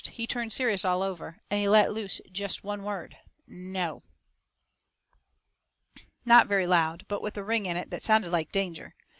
He turned serious all over. And he let loose jest one word: "NO!" Not very loud, but with a ring in it that sounded like danger.